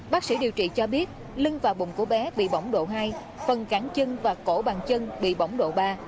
bác sĩ điều trị cho biết lưng và bụng của bé bị bỏng độ hai phần cản chân và cổ bằng chân bị bỏng độ ba